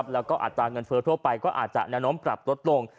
แล้วก็อัตราเงินเฟ้อทั่วไปก็อาจจะแนวโน้มปรับลดลง